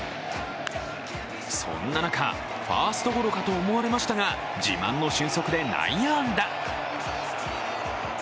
そんな中、ファーストゴロかと思われましたが自慢の俊足で内野安打。